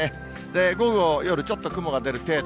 午後、夜、ちょっと雲が出る程度。